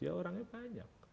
ya orangnya banyak